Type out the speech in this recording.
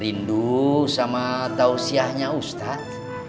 rindu sama tausiahnya ustadz